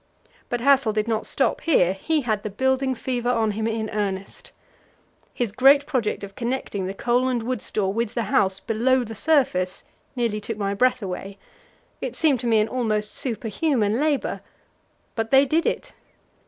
But Hassel did not stop here; he had the building fever on him in earnest. His great project of connecting the coal and wood store with the house below the surface nearly took my breath away; it seemed to me an almost superhuman labour, but they did it.